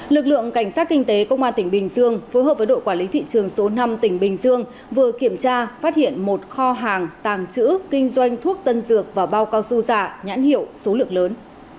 lực lượng cảnh sát kinh tế công an tỉnh bình dương phối hợp với đội quản lý thị trường số năm tỉnh bình dương vừa kiểm tra phát hiện một kho hàng tàng trữ kinh doanh thuốc tân dược và bao cao su giả nhãn hiệu số lượng lớn